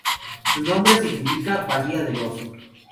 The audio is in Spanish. Su nombre significa "bahía del oso".